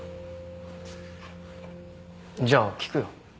じゃあ聞くよ。